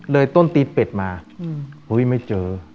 เลยต้นตีบเป็ดมาเฮ้ยไม่เจอ